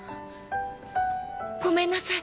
ごめんなさい！